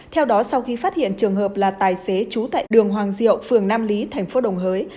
theo đó sau khi phát hiện trường hợp là tài xế trú tại đường hoàng diệu phường nam lý thành phố đồng hới